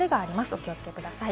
お気をつけください。